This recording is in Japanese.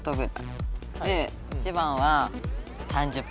で１番は３０分ぐらい。